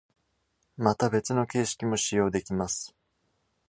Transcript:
また、別の形式も使用できます。